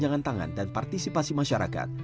jangan tangan dan partisipasi masyarakat